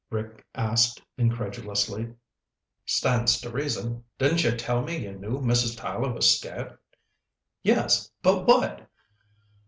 Rick asked incredulously. "Stands to reason. Didn't you tell me you knew Mrs. Tyler was scared?" "Yes, but what...."